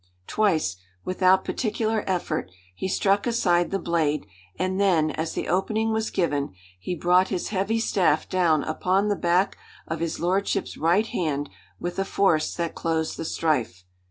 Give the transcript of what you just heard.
Twice, without particular effort, he struck aside the blade, and then, as the opening was given, he brought his heavy staff down upon the back of his lordship's right hand with a force that closed the strife.